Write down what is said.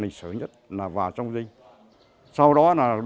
trong chính quyền sài gòn